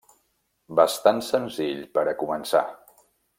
Bastant senzill per a començar.